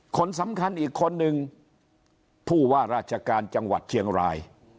คนสำคัญอีกคนนึงผู้ว่าราชการจังหวัดเชียงราย